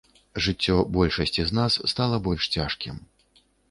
Жыццё большасці з нас стала больш цяжкім.